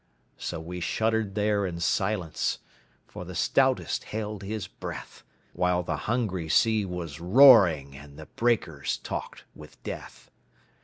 So we shuddered there in silence, For the stoutest held his breath, While the hungry sea was roaring And the breakers talked with death.